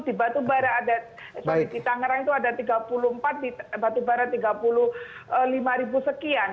di batubara ada tiga puluh lima ribu sekian